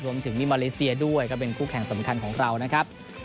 รวมถึงมีมาเลเซียด้วยก็เป็นคู่แข่งสำคัญของเรานะครับ